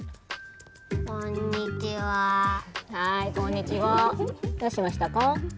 はいこんにちはどうしましたか？